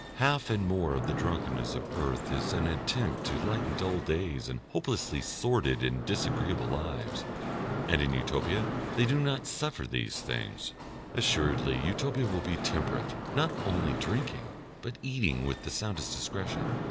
Half and more of the drunkenness of earth is an attempt to lighten dull days and hopelessly sordid and disagreeable lives, and in Utopia they do not suffer these things. Assuredly Utopia will be temperate, not only drinking, but eating with the soundest discretion.